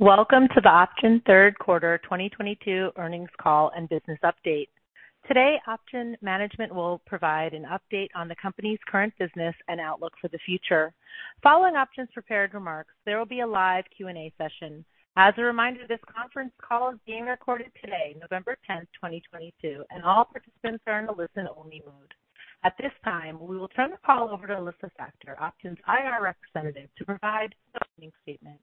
Welcome to the OpGen third quarter 2022 earnings call and business update. Today, OpGen management will provide an update on the company's current business and outlook for the future. Following OpGen's prepared remarks, there will be a live Q&A session. As a reminder, this conference call is being recorded today, November 10, 2022, and all participants are in a listen-only mode. At this time, we will turn the call over to Alyssa Factor, OpGen's IR representative, to provide the opening statement.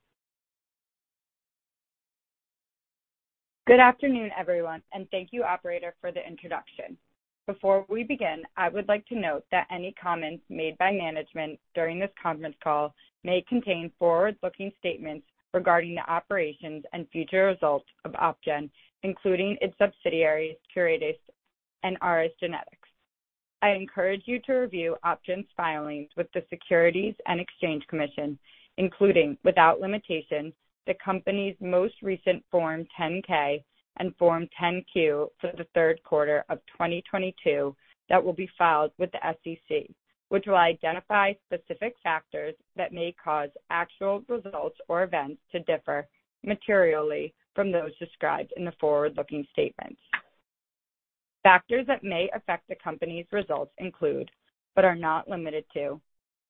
Good afternoon, everyone, and thank you, operator, for the introduction. Before we begin, I would like to note that any comments made by management during this conference call may contain forward-looking statements regarding the operations and future results of OpGen, including its subsidiaries, Curetis and Ares Genetics. I encourage you to review OpGen's filings with the Securities and Exchange Commission, including, without limitation, the company's most recent Form 10-K and Form 10-Q for the third quarter of 2022 that will be filed with the SEC, which will identify specific factors that may cause actual results or events to differ materially from those described in the forward-looking statements. Factors that may affect the company's results include, but are not limited to,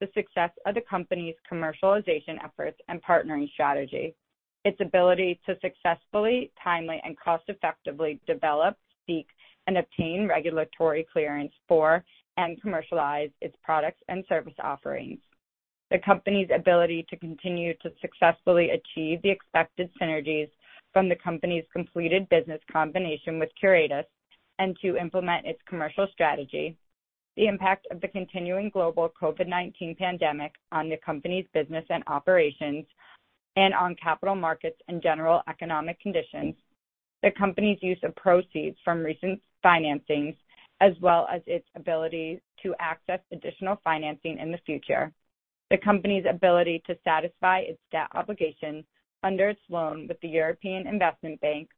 the success of the company's commercialization efforts and partnering strategy. Its ability to successfully, timely and cost-effectively develop, seek and obtain regulatory clearance for and commercialize its products and service offerings. The company's ability to continue to successfully achieve the expected synergies from the company's completed business combination with Curetis and to implement its commercial strategy. The impact of the continuing global COVID-19 pandemic on the company's business and operations and on capital markets and general economic conditions. The company's use of proceeds from recent financings, as well as its ability to access additional financing in the future. The company's ability to satisfy its debt obligations under its loan with the European Investment Bank.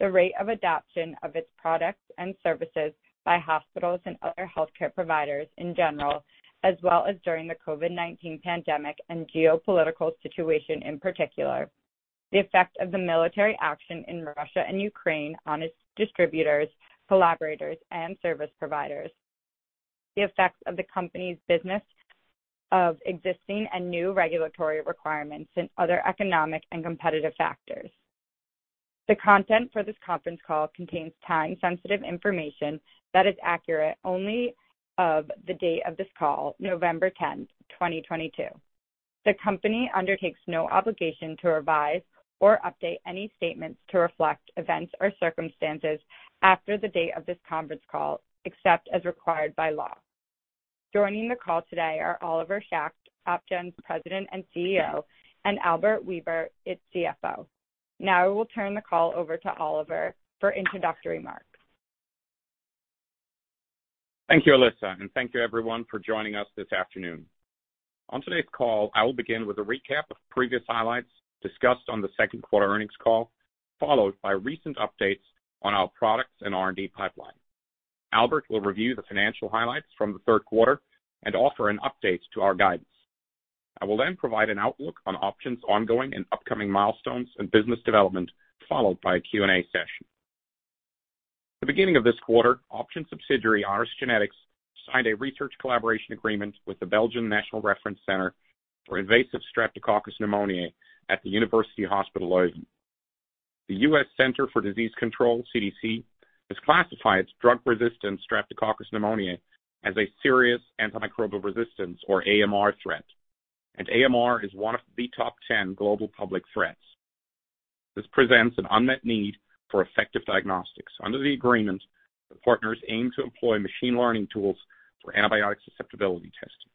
The rate of adoption of its products and services by hospitals and other healthcare providers in general, as well as during the COVID-19 pandemic and geopolitical situation in particular. The effect of the military action in Russia and Ukraine on its distributors, collaborators, and service providers. The effects of the company's business of existing and new regulatory requirements and other economic and competitive factors. The content for this conference call contains time-sensitive information that is accurate only as of the date of this call, November 10, 2022. The company undertakes no obligation to revise or update any statements to reflect events or circumstances after the date of this conference call, except as required by law. Joining the call today are Oliver Schacht, OpGen's President and CEO, and Albert Weber, its CFO. Now we'll turn the call over to Oliver for introductory remarks. Thank you, Alyssa, and thank you everyone for joining us this afternoon. On today's call, I will begin with a recap of previous highlights discussed on the second quarter earnings call, followed by recent updates on our products and R&D pipeline. Albert will review the financial highlights from the third quarter and offer an update to our guidance. I will then provide an outlook on OpGen's ongoing and upcoming milestones and business development, followed by a Q&A session. At the beginning of this quarter, OpGen subsidiary Ares Genetics signed a research collaboration agreement with the Belgian National Reference Center for invasive Streptococcus pneumoniae at the University Hospitals Leuven. The U.S. Centers for Disease Control and Prevention (CDC) has classified drug-resistant Streptococcus pneumoniae as a serious antimicrobial resistance, or AMR threat, and AMR is one of the top ten global public health threats. This presents an unmet need for effective diagnostics. Under the agreement, the partners aim to employ machine learning tools for antibiotic susceptibility testing.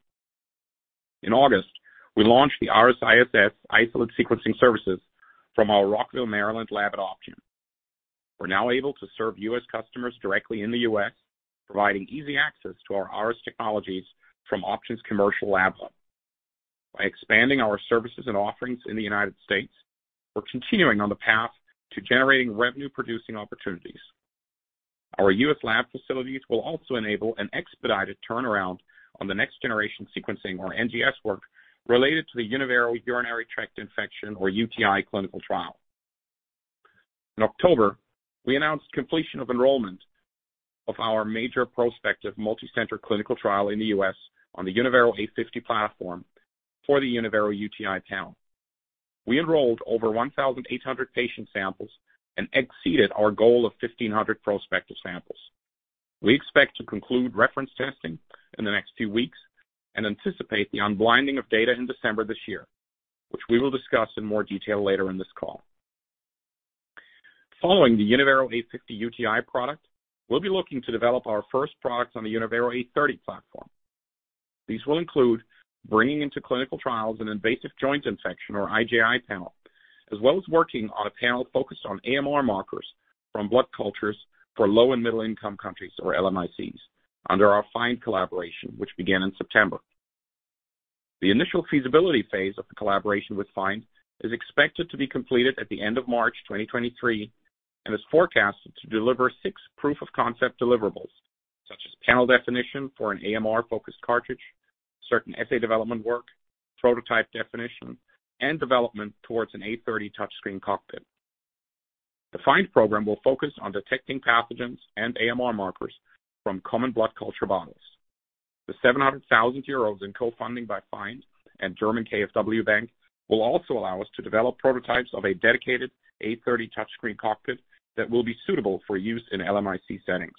In August, we launched the ARESiss isolate sequencing services from our Rockville, Maryland lab at OpGen. We're now able to serve U.S. customers directly in the U.S., providing easy access to our ARES technologies from OpGen's commercial lab hub. By expanding our services and offerings in the United States, we're continuing on the path to generating revenue-producing opportunities. Our U.S. lab facilities will also enable an expedited turnaround on the next-generation sequencing, or NGS work, related to the Unyvero urinary tract infection, or UTI, clinical trial. In October, we announced completion of enrollment of our major prospective multi-center clinical trial in the U.S. on the Unyvero A50 platform for the Unyvero UTI panel. We enrolled over 1,800 patient samples and exceeded our goal of 1,500 prospective samples. We expect to conclude reference testing in the next few weeks and anticipate the unblinding of data in December this year, which we will discuss in more detail later in this call. Following the Unyvero A50 UTI product, we'll be looking to develop our first product on the Unyvero A30 platform. These will include bringing into clinical trials an invasive joint infection, or IJI panel, as well as working on a panel focused on AMR markers from blood cultures for low and middle-income countries, or LMICs, under our FIND collaboration, which began in September. The initial feasibility phase of the collaboration with FIND is expected to be completed at the end of March 2023 and is forecasted to deliver six proof of concept deliverables. Panel definition for an AMR-focused cartridge, certain assay development work, prototype definition, and development towards an A30 touchscreen cockpit. The FIND program will focus on detecting pathogens and AMR markers from common blood culture bottles. The 700,000 euros in co-funding by FIND and German KfW Bank will also allow us to develop prototypes of a dedicated A30 touchscreen cockpit that will be suitable for use in LMIC settings.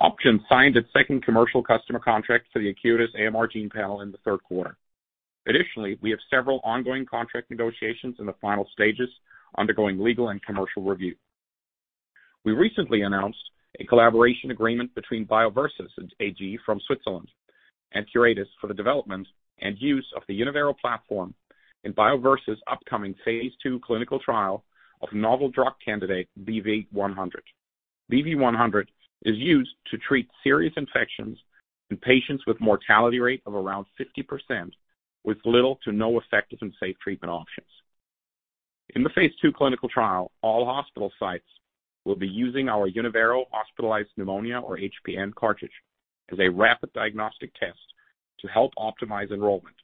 OpGen signed its second commercial customer contract for the Acuitas AMR Gene Panel in the third quarter. Additionally, we have several ongoing contract negotiations in the final stages, undergoing legal and commercial review. We recently announced a collaboration agreement between BioVersys AG from Switzerland and Curetis for the development and use of the Unyvero platform in BioVersys' upcoming phase II clinical trial of novel drug candidate BV100. BV100 is used to treat serious infections in patients with mortality rate of around 50%, with little to no effective and safe treatment options. In the phase II clinical trial, all hospital sites will be using our Unyvero Hospitalized Pneumonia or HPN cartridge as a rapid diagnostic test to help optimize enrollment.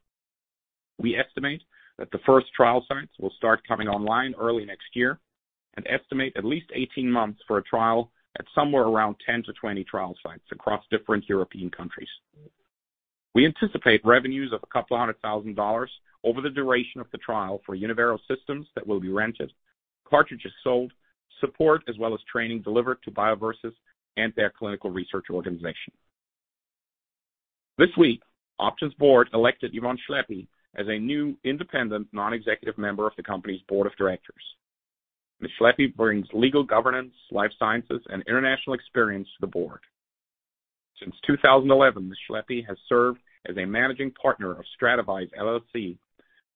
We estimate that the first trial sites will start coming online early next year and estimate at least 18 months for a trial at somewhere around 10-20 trial sites across different European countries. We anticipate revenues of $200,000 over the duration of the trial for Unyvero systems that will be rented, cartridges sold, support as well as training delivered to BioVersys and their clinical research organization. This week, OpGen's board elected Yvonne Schlaeppi as a new independent non-executive member of the company's board of directors. Ms. Schlaeppi brings legal governance, life sciences, and international experience to the board. Since 2011, Ms. Schlaeppi has served as a managing partner of Stratavize LLC,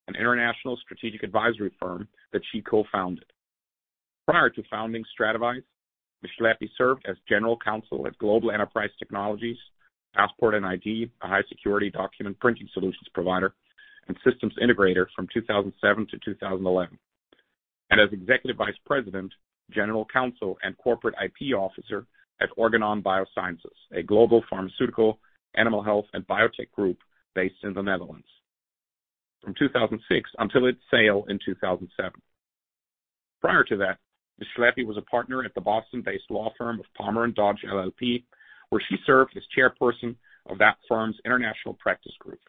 an international strategic advisory firm that she co-founded. Prior to founding Stratavize, Ms. Schlaeppi served as general counsel at Global Enterprise Technologies Corp., a high-security document printing solutions provider and systems integrator from 2007 to 2011. She served as executive vice president, general counsel, and corporate IP officer at Organon BioSciences, a global pharmaceutical, animal health, and biotech group based in the Netherlands from 2006 until its sale in 2007. Prior to that, Ms. Schlaeppi was a partner at the Boston-based law firm of Palmer & Dodge LLP, where she served as chairperson of that firm's international practice group.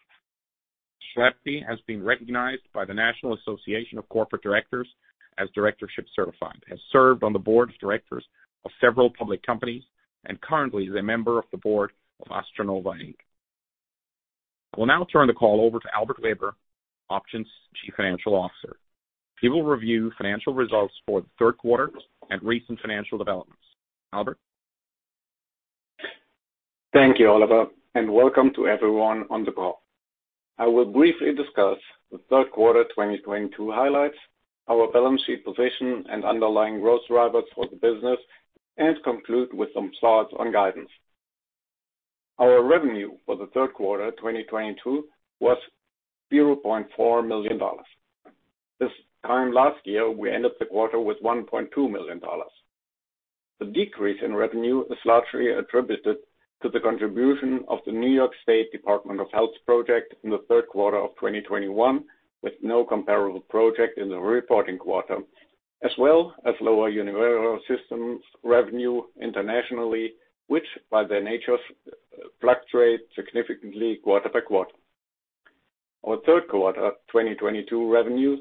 Schlaeppi has been recognized by the National Association of Corporate Directors as Directorship Certified, has served on the board of directors of several public companies, and currently is a member of the board of AstroNova, Inc. I will now turn the call over to Albert Weber, OpGen's Chief Financial Officer. He will review financial results for the third quarter and recent financial developments. Albert. Thank you, Oliver, and welcome to everyone on the call. I will briefly discuss the third quarter 2022 highlights, our balance sheet position and underlying growth drivers for the business, and conclude with some thoughts on guidance. Our revenue for the third quarter 2022 was $0.4 million. This time last year, we ended the quarter with $1.2 million. The decrease in revenue is largely attributed to the contribution of the New York State Department of Health's project in the third quarter of 2021, with no comparable project in the reporting quarter, as well as lower Unyvero Systems revenue internationally, which by their natures fluctuate significantly quarter by quarter. Our third quarter 2022 revenue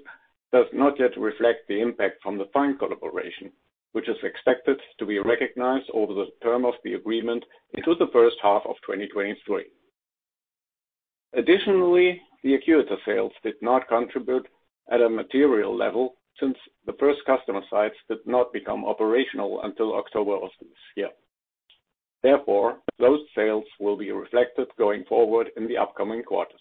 does not yet reflect the impact from the FIND collaboration, which is expected to be recognized over the term of the agreement into the first half of 2023. Additionally, the Acuitas sales did not contribute at a material level since the first customer sites did not become operational until October of this year. Therefore, those sales will be reflected going forward in the upcoming quarters.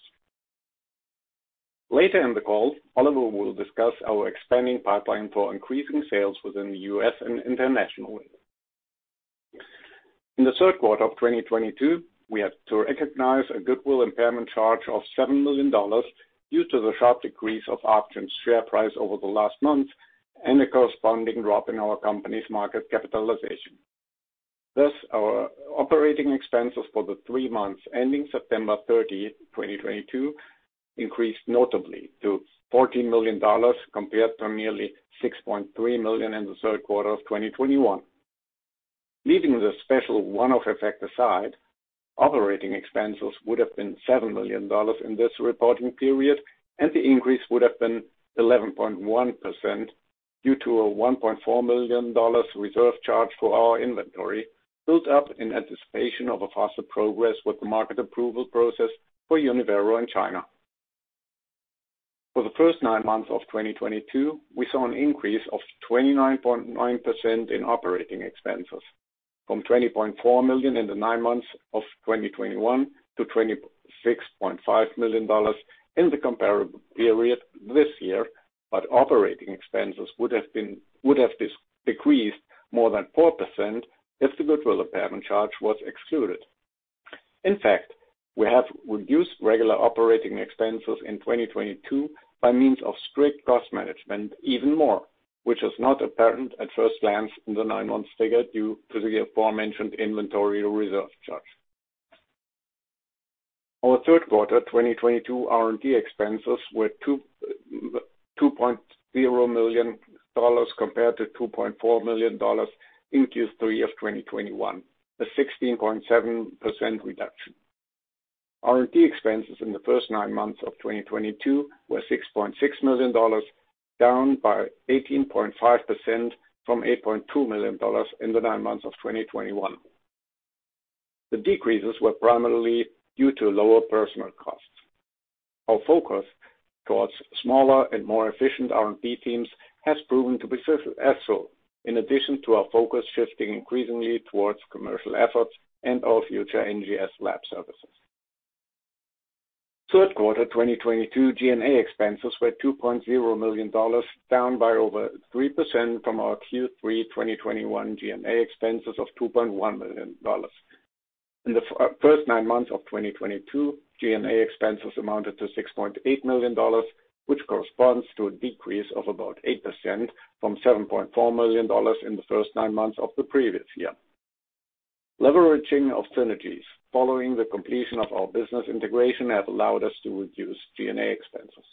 Later in the call, Oliver will discuss our expanding pipeline for increasing sales within the U.S. and internationally. In the third quarter of 2022, we had to recognize a goodwill impairment charge of $7 million due to the sharp decrease of OpGen's share price over the last month and a corresponding drop in our company's market capitalization. Thus, our operating expenses for the three months ending September 30, 2022 increased notably to $14 million compared to nearly $6.3 million in the third quarter of 2021. Leaving the special one-off effect aside, operating expenses would have been $7 million in this reporting period, and the increase would have been 11.1% due to a $1.4 million reserve charge for our inventory built up in anticipation of a faster progress with the market approval process for Unyvero in China. For the first nine months of 2022, we saw an increase of 29.9% in operating expenses from $20.4 million in the nine months of 2021 to $26.5 million in the comparable period this year, but operating expenses would have decreased more than 4% if the goodwill impairment charge was excluded. In fact, we have reduced regular operating expenses in 2022 by means of strict cost management even more, which is not apparent at first glance in the nine-month figure due to the aforementioned inventory reserve charge. Our third quarter 2022 R&D expenses were $2.0 million compared to $2.4 million in Q3 of 2021, a 16.7% reduction. R&D expenses in the first nine months of 2022 were $6.6 million, down by 18.5% from $8.2 million in the nine months of 2021. The decreases were primarily due to lower personnel costs. Our focus towards smaller and more efficient R&D teams has proven to be successful, in addition to our focus shifting increasingly towards commercial efforts and our future NGS lab services. Third quarter 2022 G&A expenses were $2.0 million, down by over 3% from our Q3 2021 G&A expenses of $2.1 million. In the first nine months of 2022, G&A expenses amounted to $6.8 million, which corresponds to a decrease of about 8% from $7.4 million in the first nine months of the previous year. Leveraging of synergies following the completion of our business integration have allowed us to reduce G&A expenses.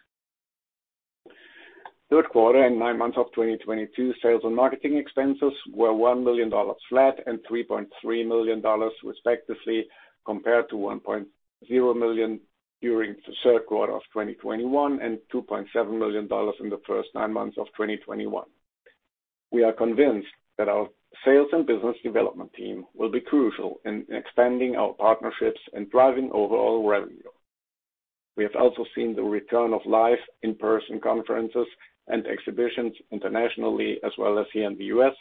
Third quarter and nine months of 2022, sales and marketing expenses were $1 million flat and $3.3 million respectively compared to $1.0 million during the third quarter of 2021 and $2.7 million in the first nine months of 2021. We are convinced that our sales and business development team will be crucial in expanding our partnerships and driving overall revenue. We have also seen the return of live in-person conferences and exhibitions internationally as well as here in the U.S.,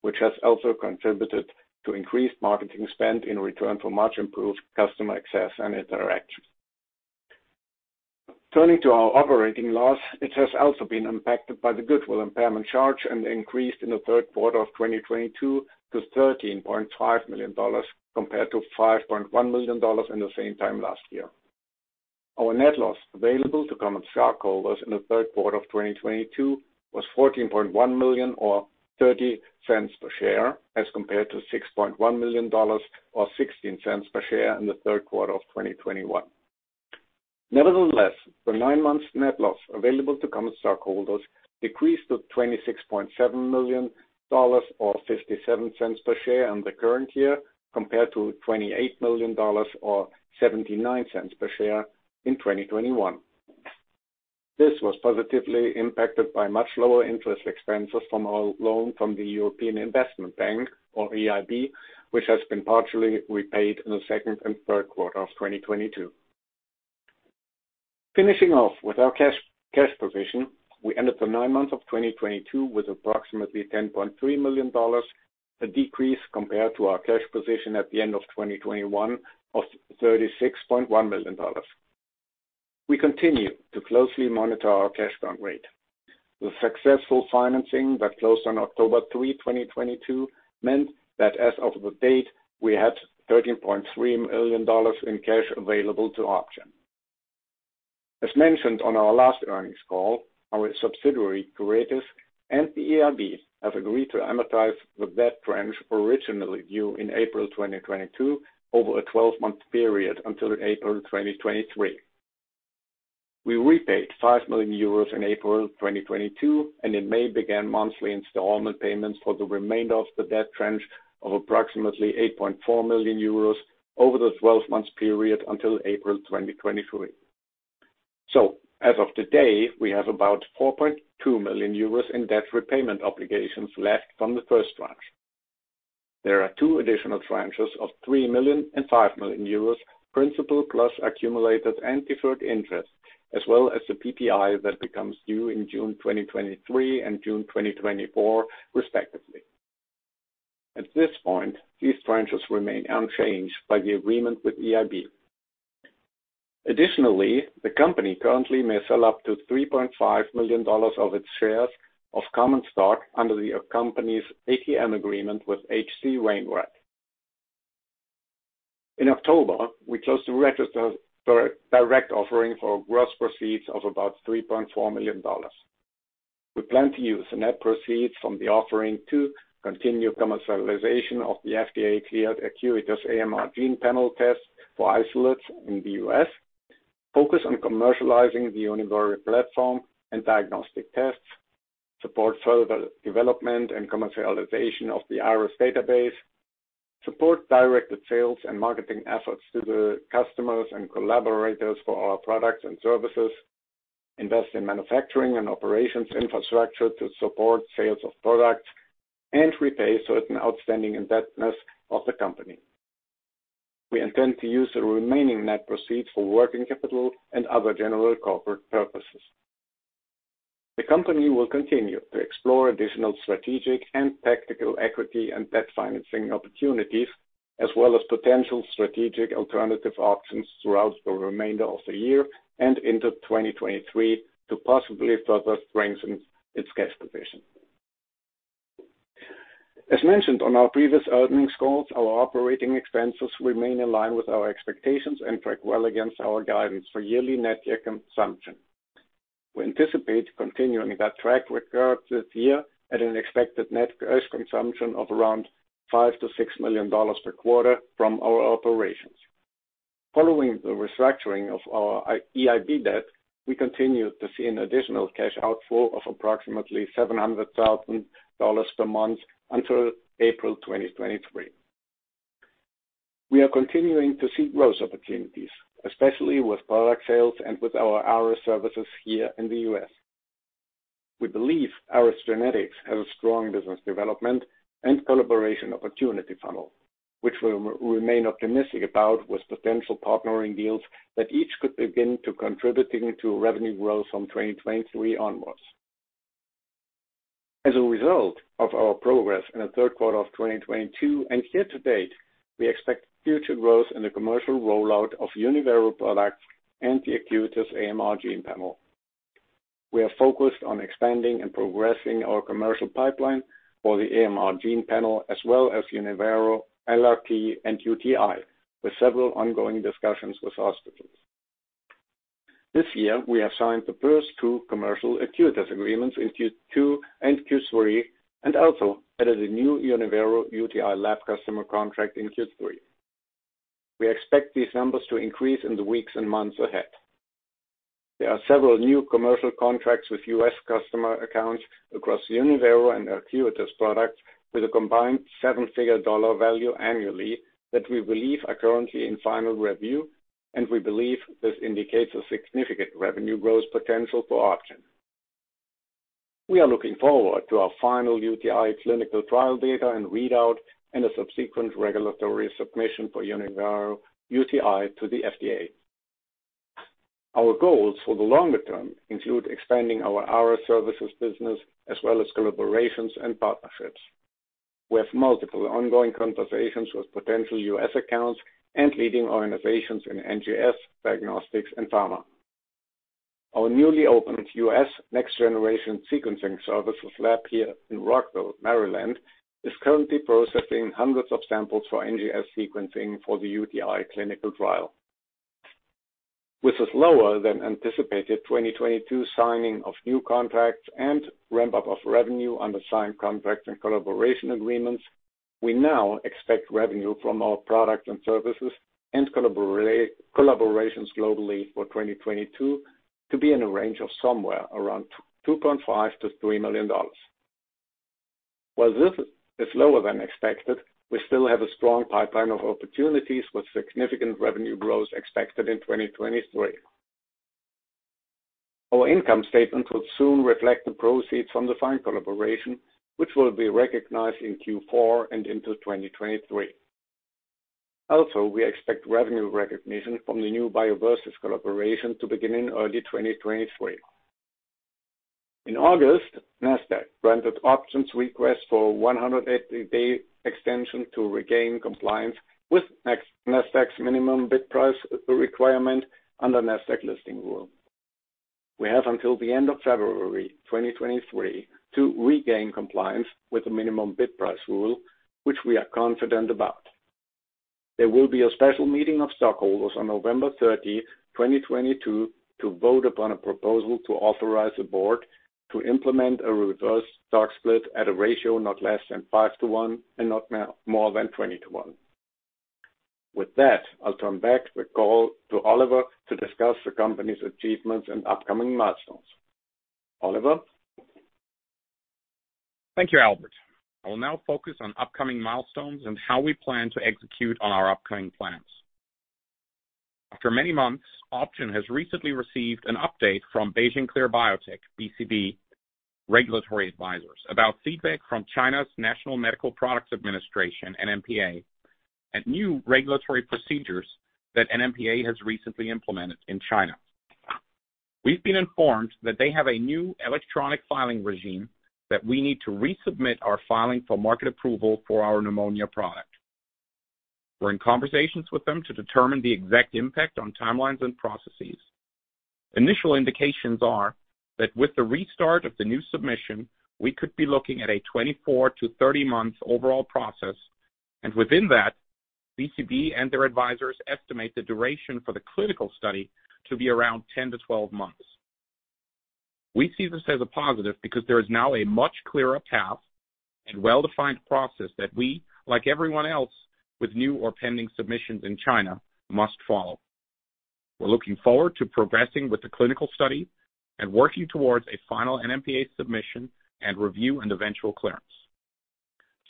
which has also contributed to increased marketing spend in return for much improved customer access and interaction. Turning to our operating loss, it has also been impacted by the goodwill impairment charge and increased in the third quarter of 2022 to $13.5 million compared to $5.1 million in the same time last year. Our net loss available to common stockholders in the third quarter of 2022 was $14.1 million or $0.30 per share as compared to $6.1 million or $0.16 per share in the third quarter of 2021. Nevertheless, the nine months net loss available to common stockholders decreased to $26.7 million or $0.57 per share in the current year compared to $28 million or $0.79 per share in 2021. This was positively impacted by much lower interest expenses from our loan from the European Investment Bank, or EIB, which has been partially repaid in the second and third quarter of 2022. Finishing off with our cash position, we ended the nine months of 2022 with approximately $10.3 million, a decrease compared to our cash position at the end of 2021 of $36.1 million. We continue to closely monitor our cash burn rate. The successful financing that closed on October 3, 2022, meant that as of today, we had $13.3 million in cash available to OpGen. As mentioned on our last earnings call, our subsidiary, Curetis, and the EIB have agreed to amortize the debt tranche originally due in April 2022 over a 12-month period until April 2023. We repaid 5 million euros in April 2022, and in May began monthly installment payments for the remainder of the debt tranche of approximately 8.4 million euros over the 12 months period until April 2023. As of today, we have about 4.2 million euros in debt repayment obligations left from the first tranche. There are two additional tranches of 3 million and 5 million euros principal plus accumulated and deferred interest, as well as the PPI that becomes due in June 2023 and June 2024, respectively. At this point, these tranches remain unchanged by the agreement with EIB. Additionally, the company currently may sell up to $3.5 million of its shares of common stock under the company's ATM agreement with H.C. Wainwright & Co. In October, we closed the registers for a direct offering for gross proceeds of about $3.4 million. We plan to use the net proceeds from the offering to continue commercialization of the FDA-cleared Acuitas AMR Gene Panel test for isolates in the US, focus on commercializing the Unyvero platform and diagnostic tests, support further development and commercialization of the ARESdb database, support directed sales and marketing efforts to the customers and collaborators for our products and services, invest in manufacturing and operations infrastructure to support sales of products, and repay certain outstanding indebtedness of the company. We intend to use the remaining net proceeds for working capital and other general corporate purposes. The company will continue to explore additional strategic and tactical equity and debt financing opportunities, as well as potential strategic alternative options throughout the remainder of the year and into 2023 to possibly further strengthen its cash position. As mentioned on our previous earnings calls, our operating expenses remain in line with our expectations and track well against our guidance for yearly net cash consumption. We anticipate continuing that track record this year at an expected net cash consumption of around $5-$6 million per quarter from our operations. Following the restructuring of our EIB debt, we continue to see an additional cash outflow of approximately $700,000 per month until April 2023. We are continuing to see growth opportunities, especially with product sales and with our Ares services here in the U.S. We believe Ares Genetics has a strong business development and collaboration opportunity funnel, which we remain optimistic about with potential partnering deals that each could begin to contribute to revenue growth from 2023 onwards. As a result of our progress in the third quarter of 2022 and year to date, we expect future growth in the commercial rollout of Unyvero products and the Acuitas AMR Gene Panel. We are focused on expanding and progressing our commercial pipeline for the AMR Gene Panel as well as Unyvero, LRT, and UTI, with several ongoing discussions with hospitals. This year, we have signed the first two commercial Acuitas agreements in Q2 and Q3, and also added a new Unyvero UTI lab customer contract in Q3. We expect these numbers to increase in the weeks and months ahead. There are several new commercial contracts with U.S. customer accounts across Unyvero and Acuitas products with a combined seven-figure dollar value annually that we believe are currently in final review, and we believe this indicates a significant revenue growth potential for OpGen. We are looking forward to our final UTI clinical trial data and readout and a subsequent regulatory submission for Unyvero UTI to the FDA. Our goals for the longer term include expanding our Ares services business as well as collaborations and partnerships. We have multiple ongoing conversations with potential U.S. accounts and leading organizations in NGS, diagnostics, and pharma. Our newly opened U.S. next generation sequencing services lab here in Rockville, Maryland, is currently processing hundreds of samples for NGS sequencing for the UTI clinical trial. With a slower than anticipated 2022 signing of new contracts and ramp up of revenue under signed contracts and collaboration agreements, we now expect revenue from our products and services and collaborations globally for 2022 to be in a range of somewhere around $2.5-$3 million. While this is lower than expected, we still have a strong pipeline of opportunities with significant revenue growth expected in 2023. Our income statement will soon reflect the proceeds from the FIND collaboration, which will be recognized in Q4 and into 2023. Also, we expect revenue recognition from the new BioVersys collaboration to begin in early 2023. In August, Nasdaq granted OpGen's request for 180-day extension to regain compliance with Nasdaq's minimum bid price requirement under Nasdaq listing rule. We have until the end of February 2023 to regain compliance with the minimum bid price rule, which we are confident about. There will be a special meeting of stockholders on November 30, 2022 to vote upon a proposal to authorize the board to implement a reverse stock split at a ratio not less than 5-to-1 and not more than 20-to-1. With that, I'll turn back the call to Oliver to discuss the company's achievements and upcoming milestones. Oliver? Thank you, Albert. I will now focus on upcoming milestones and how we plan to execute on our upcoming plans. After many months, OpGen has recently received an update from Beijing Clear Biotech, BCB, regulatory advisors about feedback from China's National Medical Products Administration, NMPA, and new regulatory procedures that NMPA has recently implemented in China. We've been informed that they have a new electronic filing regime that we need to resubmit our filing for market approval for our pneumonia product. We're in conversations with them to determine the exact impact on timelines and processes. Initial indications are that with the restart of the new submission, we could be looking at a 24-30 months overall process. Within that, BCB and their advisors estimate the duration for the clinical study to be around 10-12 months. We see this as a positive because there is now a much clearer path and well-defined process that we, like everyone else with new or pending submissions in China, must follow. We're looking forward to progressing with the clinical study and working towards a final NMPA submission and review and eventual clearance.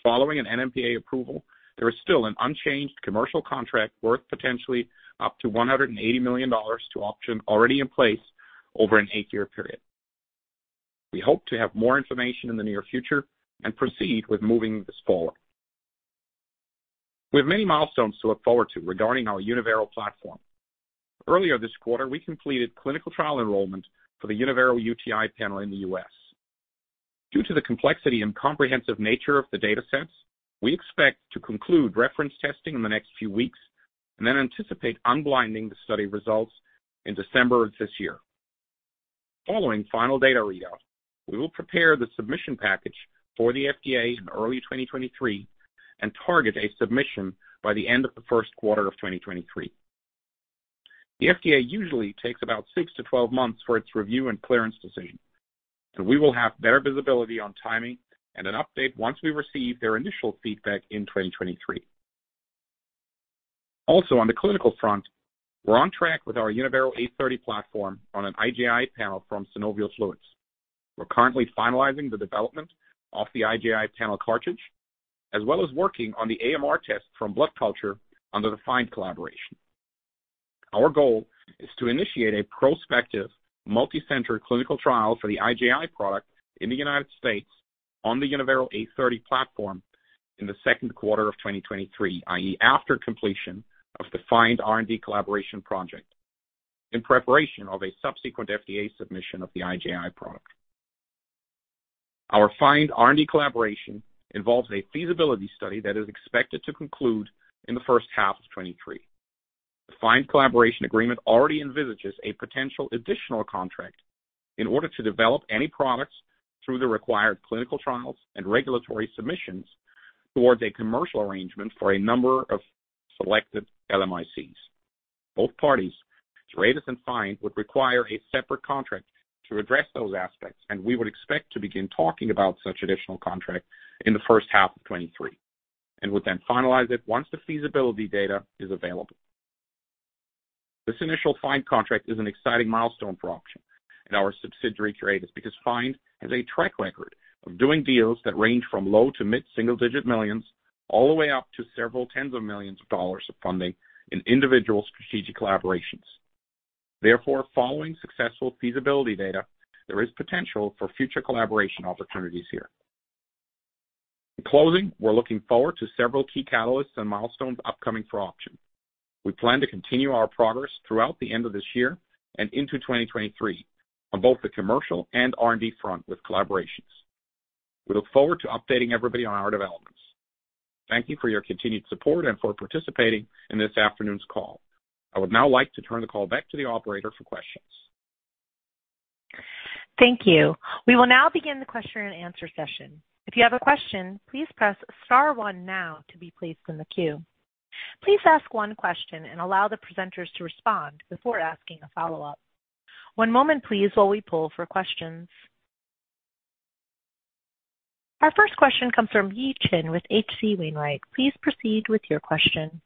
Following an NMPA approval, there is still an unchanged commercial contract worth potentially up to $180 million to OpGen already in place over an eight-year period. We hope to have more information in the near future and proceed with moving this forward. We have many milestones to look forward to regarding our Unyvero platform. Earlier this quarter, we completed clinical trial enrollment for the Unyvero UTI panel in the U.S. Due to the complexity and comprehensive nature of the data sets, we expect to conclude reference testing in the next few weeks and then anticipate unblinding the study results in December of this year. Following final data readout, we will prepare the submission package for the FDA in early 2023 and target a submission by the end of the first quarter of 2023. The FDA usually takes about 6-12 months for its review and clearance decision, so we will have better visibility on timing and an update once we receive their initial feedback in 2023. Also, on the clinical front, we're on track with our Unyvero A30 platform on an IJI panel from synovial fluids. We're currently finalizing the development of the IJI panel cartridge, as well as working on the AMR test from blood culture under the FIND Collaboration. Our goal is to initiate a prospective multi-center clinical trial for the IJI product in the United States on the Unyvero A30 platform in the second quarter of 2023, i.e., after completion of the FIND R&D collaboration project in preparation of a subsequent FDA submission of the IJI product. Our FIND R&D collaboration involves a feasibility study that is expected to conclude in the first half of 2023. The FIND collaboration agreement already envisages a potential additional contract in order to develop any products through the required clinical trials and regulatory submissions towards a commercial arrangement for a number of selected LMICs. Both parties, Curetis and FIND, would require a separate contract to address those aspects, and we would expect to begin talking about such additional contract in the first half of 2023 and would then finalize it once the feasibility data is available. This initial FIND contract is an exciting milestone for OpGen and our subsidiary, Curetis, because FIND has a track record of doing deals that range from low- to mid-single-digit millions all the way up to several tens of millions of dollars of funding in individual strategic collaborations. Therefore, following successful feasibility data, there is potential for future collaboration opportunities here. In closing, we're looking forward to several key catalysts and milestones upcoming for OpGen. We plan to continue our progress throughout the end of this year and into 2023 on both the commercial and R&D front with collaborations. We look forward to updating everybody on our developments. Thank you for your continued support and for participating in this afternoon's call. I would now like to turn the call back to the operator for questions. Thank you. We will now begin the question-and-answer session. If you have a question, please press star one now to be placed in the queue. Please ask one question and allow the presenters to respond before asking a follow-up. One moment, please, while we poll for questions. Our first question comes from Yi Chen with H.C. Wainwright. Please proceed with your question.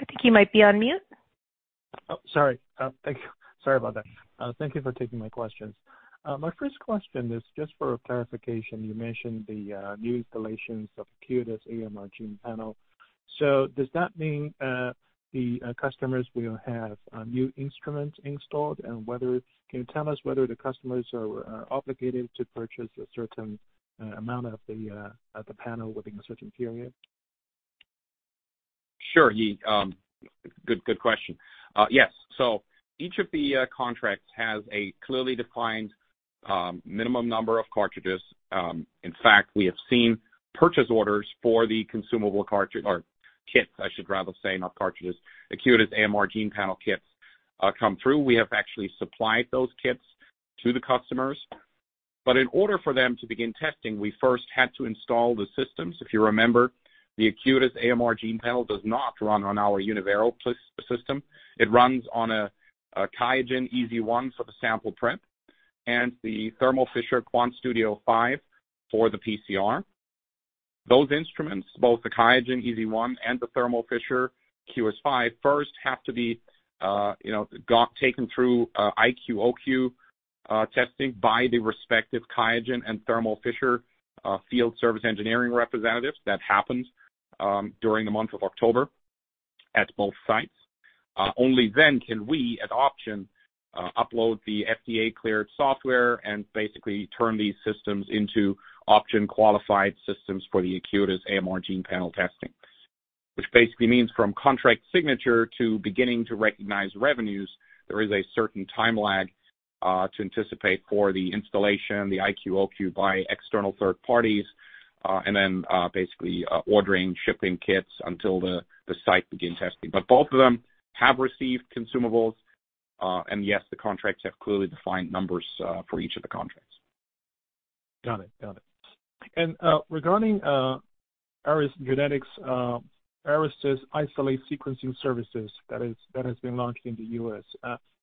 I think you might be on mute. Sorry. Thank you. Sorry about that. Thank you for taking my questions. My first question is just for clarification. You mentioned the new installations of Acuitas AMR Gene Panel. Does that mean the customers will have new instruments installed? Can you tell us whether the customers are obligated to purchase a certain amount of the panel within a certain period? Sure, Yi. Good question. Yes. Each of the contracts has a clearly defined minimum number of cartridges. In fact, we have seen purchase orders for the consumable cartridge or kits, I should rather say, not cartridges. Acuitas AMR Gene Panel kits come through. We have actually supplied those kits to the customers. In order for them to begin testing, we first had to install the systems. If you remember, the Acuitas AMR Gene Panel does not run on our Unyvero system. It runs on a QIAGEN EZ1 for the sample prep and the Thermo Fisher QuantStudio 5 for the PCR. Those instruments, both the QIAGEN EZ1 and the Thermo Fisher QS5 first have to be, you know, got taken through IQ/OQ testing by the respective QIAGEN and Thermo Fisher field service engineering representatives. That happened during the month of October at both sites. Only then can we at OpGen upload the FDA-cleared software and basically turn these systems into OpGen-qualified systems for the Acuitas AMR Gene Panel testing, which basically means from contract signature to beginning to recognize revenues, there is a certain time lag to anticipate for the installation, the IQ/OQ by external third parties, and then basically ordering, shipping kits until the site begins testing. Both of them have received consumables, and yes, the contracts have clearly defined numbers for each of the contracts. Got it. Regarding Ares Genetics, Ares' Isolate Sequencing Services that has been launched in the U.S.,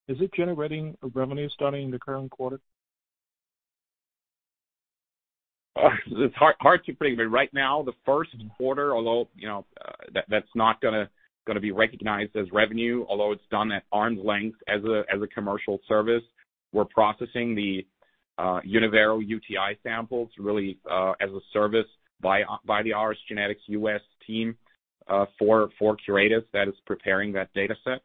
is it generating revenue starting in the current quarter? It's hard to predict. Right now, the first quarter, although, you know, that's not gonna be recognized as revenue, although it's done at arm's length as a commercial service, we're processing the Unyvero UTI samples really as a service by the Ares Genetics U.S. team for Curetis that is preparing that data set.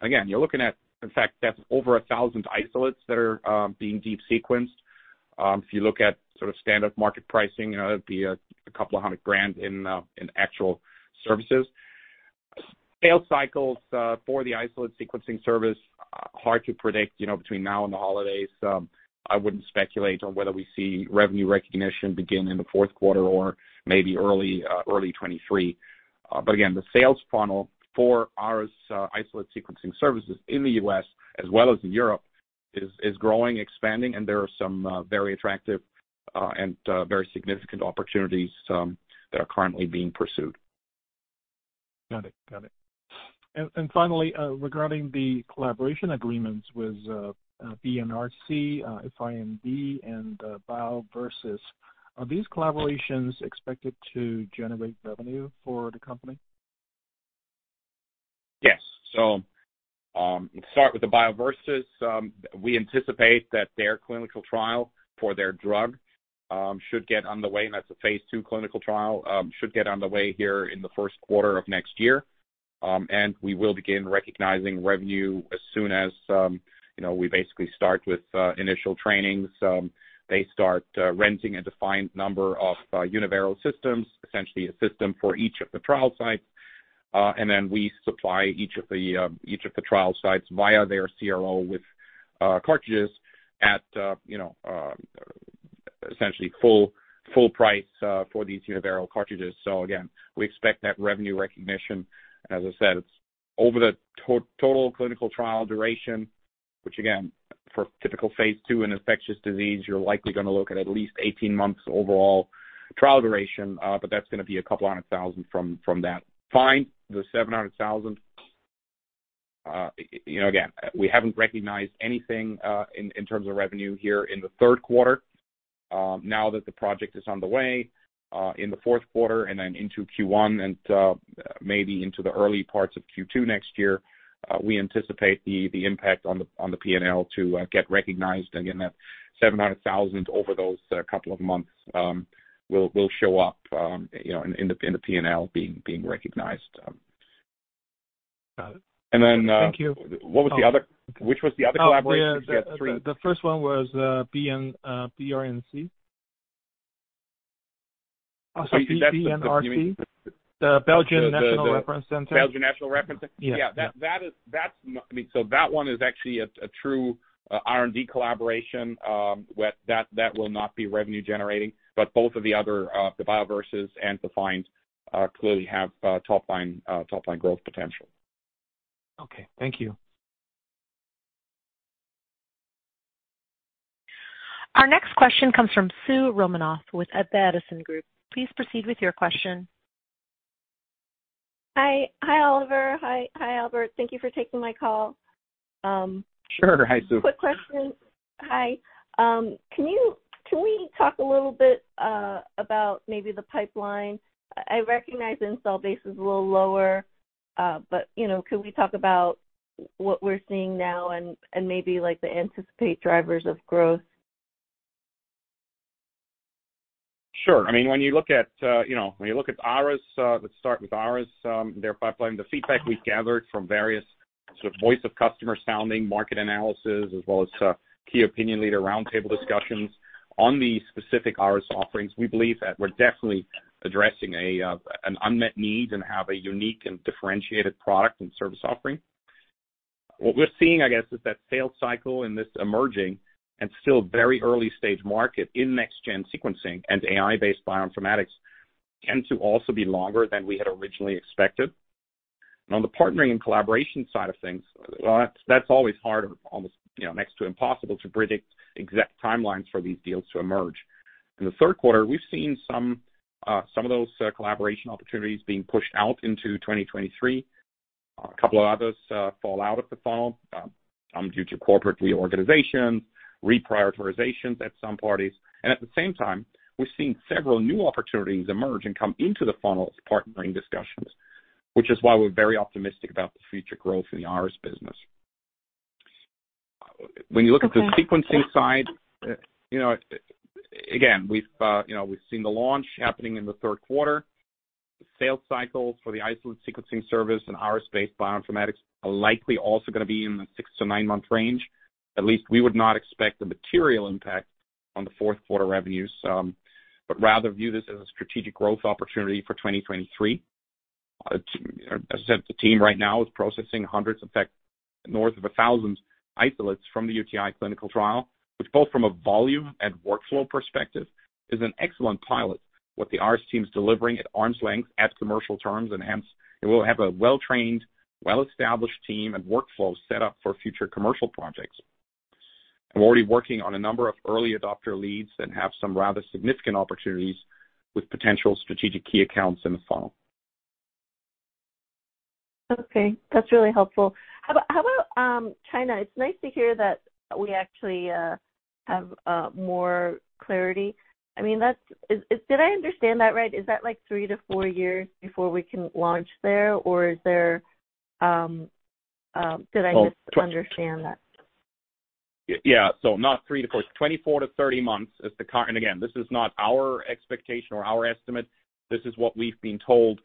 Again, you're looking at, in fact, that's over 1,000 isolates that are being deep sequenced. If you look at sort of standard market pricing, it'd be $200,000 in actual services. Sales cycles for the isolate sequencing service, hard to predict, you know, between now and the holidays. I wouldn't speculate on whether we see revenue recognition begin in the fourth quarter or maybe early 2023. Again, the sales funnel for our isolate sequencing services in the U.S. as well as in Europe is growing, expanding, and there are some very attractive and very significant opportunities that are currently being pursued. Got it. Finally, regarding the collaboration agreements with BNRC, FIND and BioVersys, are these collaborations expected to generate revenue for the company? Yes. Start with the BioVersys. We anticipate that their clinical trial for their drug should get underway, and that's a phase II clinical trial here in the first quarter of next year. We will begin recognizing revenue as soon as, you know, we basically start with initial training. They start renting a defined number of Unyvero systems, essentially a system for each of the trial sites. Then we supply each of the trial sites via their CRO with cartridges at, you know, essentially full price for these Unyvero cartridges. Again, we expect that revenue recognition. As I said, it's over the total clinical trial duration, which again, for typical phase II in infectious disease, you're likely gonna look at at least 18 months overall trial duration, but that's gonna be $200,000 from that. Fine, the $700,000. You know, again, we haven't recognized anything in terms of revenue here in the third quarter. Now that the project is on the way, in the fourth quarter and then into Q1 and maybe into the early parts of Q2 next year, we anticipate the impact on the P&L to get recognized. Again, that $700,000 over those couple of months will show up, you know, in the P&L being recognized. Got it. And then, uh- Thank you. Which was the other collaboration? We had three. The first one was BNRC. So you, that's, so you mean- Sorry, BNRC. The Belgian National Reference Center. Belgian National Reference Center. Yeah. Yeah. I mean, that one is actually a true R&D collaboration. That will not be revenue generating. Both of the others, the BioVersys and FIND, clearly have top-line growth potential. Okay, thank you. Our next question comes from Soo Romanoff with the Edison Group. Please proceed with your question. Hi. Hi, Oliver. Hi. Hi, Albert. Thank you for taking my call. Sure. Hi, Soo. Quick question. Hi. Can we talk a little bit about maybe the pipeline? I recognize install base is a little lower, but you know, could we talk about what we're seeing now and maybe like the anticipated drivers of growth? Sure. I mean, when you look at, you know, Ares, let's start with Ares, their pipeline. The feedback we've gathered from various sort of voice of customer sounding market analysis as well as key opinion leader roundtable discussions on the specific Ares offerings, we believe that we're definitely addressing an unmet need and have a unique and differentiated product and service offering. What we're seeing, I guess, is that sales cycle in this emerging and still very early stage market in next-gen sequencing and AI-based bioinformatics tend to also be longer than we had originally expected. On the partnering and collaboration side of things, well, that's always hard or almost, you know, next to impossible to predict exact timelines for these deals to emerge. In the third quarter, we've seen some of those collaboration opportunities being pushed out into 2023. A couple of others fall out of the funnel, some due to corporate reorganization, reprioritizations at some parties. At the same time, we've seen several new opportunities emerge and come into the funnel as partnering discussions, which is why we're very optimistic about the future growth in the Ares business. When you look at the sequencing side, you know, again, we've seen the launch happening in the third quarter. The sales cycle for the isolate sequencing service and Ares-based bioinformatics are likely also gonna be in the 6-9 month range. At least we would not expect a material impact on the fourth quarter revenues, but rather view this as a strategic growth opportunity for 2023. As I said, the team right now is processing hundreds, in fact north of 1,000 isolates from the UTI clinical trial, which both from a volume and workflow perspective is an excellent pilot, what the Ares team is delivering at arm's length at commercial terms, and hence it will have a well-trained, well-established team and workflow set up for future commercial projects. We're already working on a number of early adopter leads and have some rather significant opportunities with potential strategic key accounts in the funnel. Okay, that's really helpful. How about China? It's nice to hear that we actually have more clarity. I mean, that's. Did I understand that right? Is that like 3-4 years before we can launch there or is there, did I misunderstand that? Yeah. Not three to four. 24-30 months. This is not our expectation or our estimate. This is what we've been told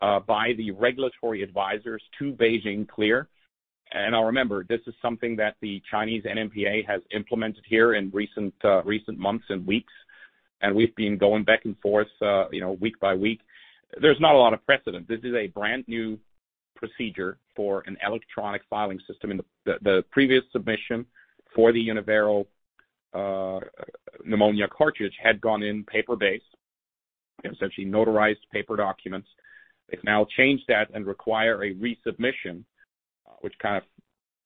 by the regulatory advisors to Beijing Clear. Now remember, this is something that the Chinese NMPA has implemented here in recent months and weeks, and we've been going back and forth, you know, week by week. There's not a lot of precedent. This is a brand-new procedure for an electronic filing system. In the previous submission for the Unyvero pneumonia cartridge had gone in paper-based, essentially notarized paper documents. They've now changed that and require a resubmission, which kind of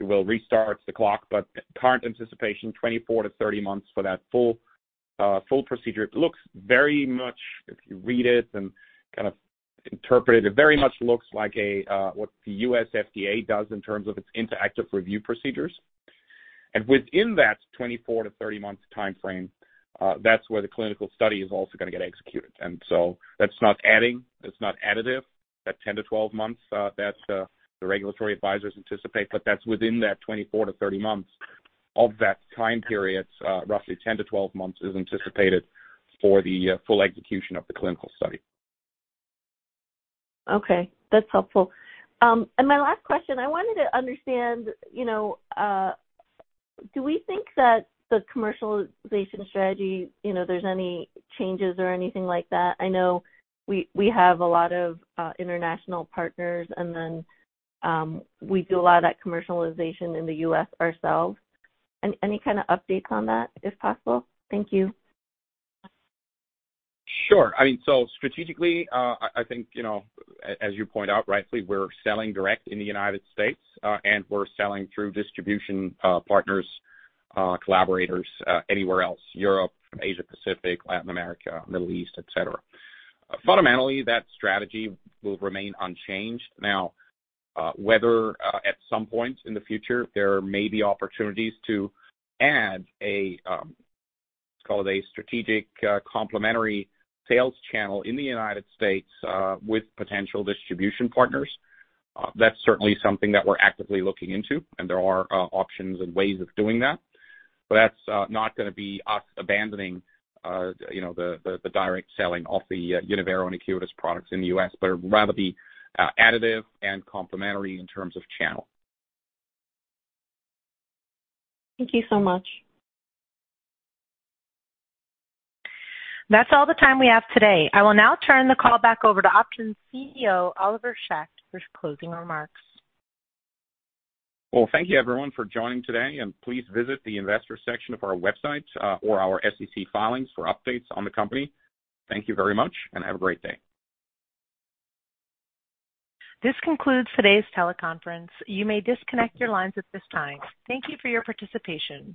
will restart the clock, but current anticipation, 24-30 months for that full procedure. It looks very much, if you read it and kind of interpret it very much looks like what the U.S. FDA does in terms of its interactive review procedures. Within that 24-30 month timeframe, that's where the clinical study is also gonna get executed. That's not adding, that's not additive. That 10-12 months, that's the regulatory advisors anticipate, but that's within that 24-30 months. Of that time period, roughly 10-12 months is anticipated for the full execution of the clinical study. Okay, that's helpful. My last question, I wanted to understand, you know, do we think that the commercialization strategy, you know, there's any changes or anything like that? I know we have a lot of international partners, and then we do a lot of that commercialization in the U.S. ourselves. Any kind of updates on that, if possible? Thank you. Sure. I mean, strategically, I think, you know, as you point out rightly, we're selling direct in the United States, and we're selling through distribution partners, collaborators, anywhere else, Europe, Asia Pacific, Latin America, Middle East, et cetera. Fundamentally, that strategy will remain unchanged. Now, whether at some point in the future, there may be opportunities to add a, call it a strategic, complementary sales channel in the United States, with potential distribution partners, that's certainly something that we're actively looking into, and there are options and ways of doing that. That's not gonna be us abandoning, you know, the direct selling of the Unyvero and Acuitas products in the U.S., but it would rather be additive and complementary in terms of channel. Thank you so much. That's all the time we have today. I will now turn the call back over to OpGen's CEO, Oliver Schacht, for his closing remarks. Well, thank you everyone for joining today, and please visit the investor section of our website, or our SEC filings for updates on the company. Thank you very much, and have a great day. This concludes today's teleconference. You may disconnect your lines at this time. Thank you for your participation.